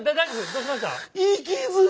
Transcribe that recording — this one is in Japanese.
どうしました？